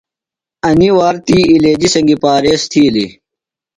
انیۡ وار تی علیجیۡ سنگیۡ پاریز تِھیلیۡ۔